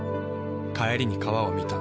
帰りに川を見た。